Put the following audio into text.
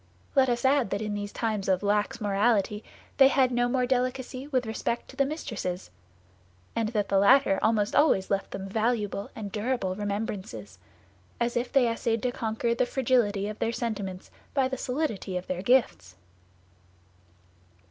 Let us add that in these times of lax morality they had no more delicacy with respect to the mistresses; and that the latter almost always left them valuable and durable remembrances, as if they essayed to conquer the fragility of their sentiments by the solidity of their gifts.